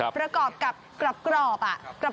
ประกอบกับกรอบ